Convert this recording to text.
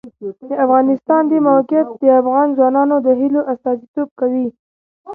د افغانستان د موقعیت د افغان ځوانانو د هیلو استازیتوب کوي.